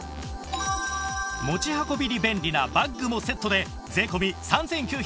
持ち運びに便利なバッグもセットで税込３９８０円